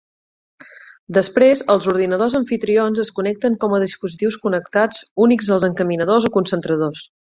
Després els ordinadors amfitrions es connecten com a dispositius connectats únics als encaminadors o concentradors.